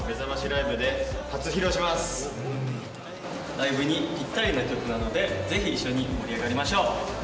ライブにぴったりな曲なのでぜひ一緒に盛り上がりましょう。